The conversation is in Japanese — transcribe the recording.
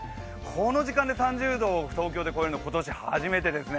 この時間で３０度を東京で超えるのは今年初めてですね。